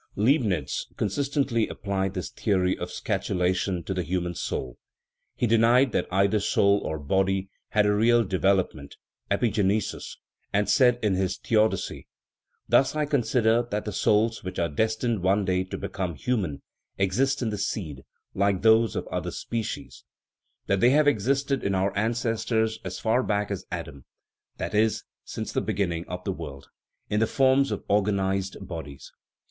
Leibnitz consistently applied this theory of scatula tion to the human soul ; he denied that either soul or body had a real development (epigenesis) , and said in his Theodicy :" Thus I consider that the souls which are destined one day to become human exist in the seed, like those of other species ; that they have existed in our ancestors as far back as Adam that is, since the beginning of the world in the forms of organized bod ies."